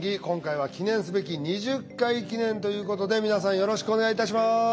今回は記念すべき２０回記念ということで皆さんよろしくお願いいたします。